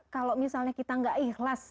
kalau misalnya kita nggak ikhlas